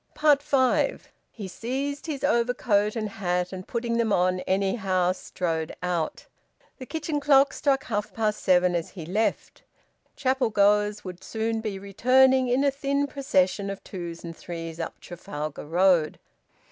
FIVE. He seized his overcoat and hat, and putting them on anyhow, strode out. The kitchen clock struck half past seven as he left. Chapel goers would soon be returning in a thin procession of twos and threes up Trafalgar Road.